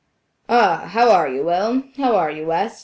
"Ah! How are you, Will? How are you, West?